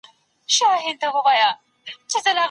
که مېرمن صدقه کوي نو ډېر اجرونه لري.